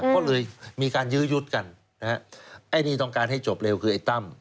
ก็เลยมีการยื้อยุดกันนะฮะไอ้นี่ต้องการให้จบเร็วคือไอ้ตั้ม